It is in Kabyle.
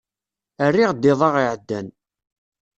Rriɣ-d iḍ-a iɛeddan.